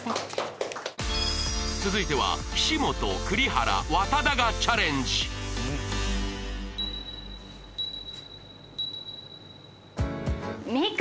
続いては岸本栗原和多田がチャレンジ三玖！